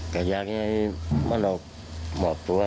ละก็กังวลหมดครับ